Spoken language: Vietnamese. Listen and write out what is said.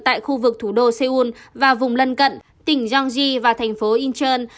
tại khu vực thủ đô seoul và vùng lân cận tỉnh jeanji và thành phố incheon